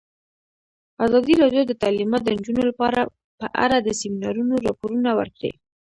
ازادي راډیو د تعلیمات د نجونو لپاره په اړه د سیمینارونو راپورونه ورکړي.